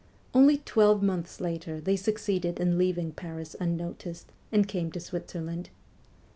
Only twelve months later they succeeded in leaving Paris unnoticed, and came to Switzerland.